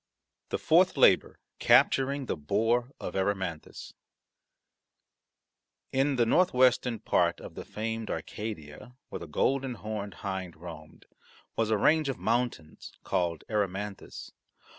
THE FOURTH LABOUR CAPTURING THE BOAR OF ERYMANTHUS In the northwestern part of the famed Arcadia where the golden horned hind roamed was a range of mountains called Erymanthus.